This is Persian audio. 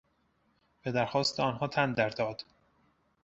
به درخواست آنها تن در داد.